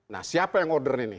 nah siapa yang order ini